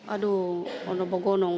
aduh aduh nggak tahu lah